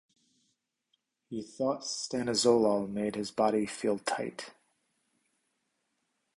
He thought stanozolol made his body "feel tight".